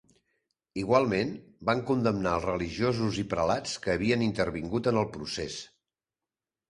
Igualment, van condemnar els religiosos i prelats que havien intervingut en el procés.